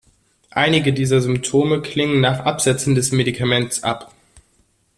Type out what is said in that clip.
Einige dieser Symptome klingen nach Absetzen des Medikaments ab.